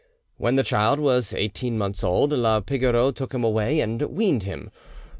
When the child was eighteen months old, la Pigoreau took him away and weaned him.